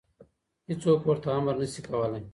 هېڅوک ورته امر نشي کولی.